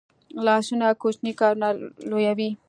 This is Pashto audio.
لاسونه کوچني کارونه لویوي